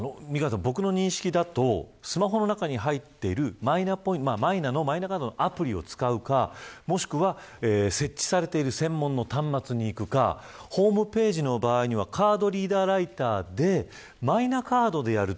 僕の認識だとスマホの中に入っているマイナカードのアプリを使うかもしくは設置されている専門の端末にいくかホームページの場合にはカードリーダーライターでマイナカードでやる。